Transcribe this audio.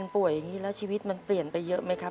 พอพี่กัลป่วยอย่างนี้แล้วชีวิตมันเปลี่ยนไปเยอะไหมคะพี่กิ่ง